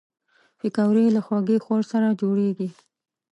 پکورې له خوږې خور سره جوړېږي